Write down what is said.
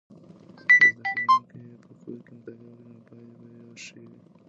که زده کوونکي په کور کې مطالعه وکړي نو پایلې به یې ښې وي.